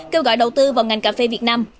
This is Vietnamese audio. kêu gọi đầu tư vào ngành cà phê việt nam